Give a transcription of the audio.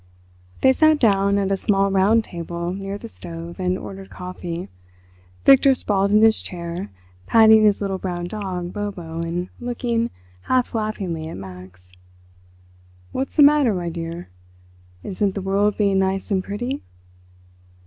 They sat down at a small round table near the stove and ordered coffee. Victor sprawled in his chair, patting his little brown dog Bobo and looking, half laughingly, at Max. "What's the matter, my dear? Isn't the world being nice and pretty?"